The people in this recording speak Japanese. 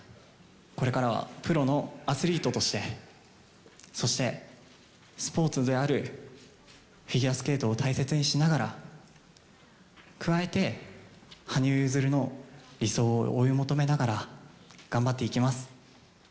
これからはプロのアスリートとして、そしてスポーツであるフィギュアスケートを大切にしながら、加えて、羽生結弦の理想を追い求めながら頑張っていきます。